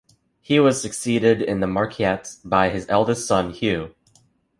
He was succeeded in the marquessate by his eldest son, Hugh.